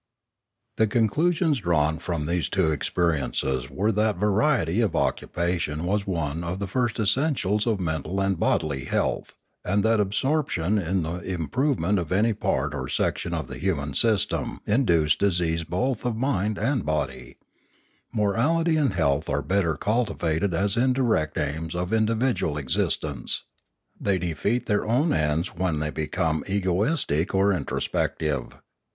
The conclusions drawn from these two experiences were that variety of occupation was one of the first es sentials of mental and bodily health, and that absorp tion in the improvement of any part or section of the human system induced disease both of mind and body; morality and health are better cultivated as indirect aims of individual existence; they defeat their own ends when they become egoistic or introspective.